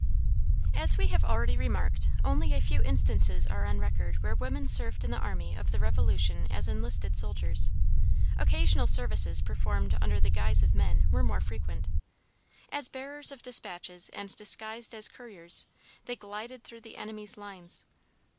As we have already remarked, only a few instances are on record where women served in the army of the revolution as enlisted soldiers. Occasional services performed under the guise of men, were more frequent. As bearers of dispatches and disguised as couriers, they glided through the enemy's lines.